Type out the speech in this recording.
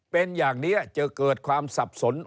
เป็นอย่างนี้จะเกิดความสับสน